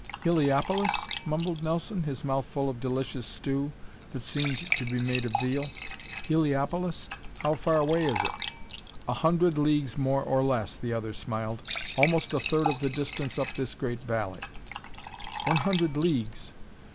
"Heliopolis?" mumbled Nelson, his mouth full of delicious stew that seemed to be made of veal. "Heliopolis? How far away is it?" "A hundred leagues more or less," the other smiled. "Almost a third of the distance up this great valley." "One hundred leagues!